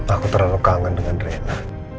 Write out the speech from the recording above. aku terlalu kangen dengan drena